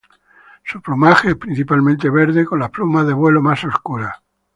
Su plumaje es principalmente verde, con las plumas de vuelo más oscuras.